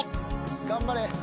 頑張れ。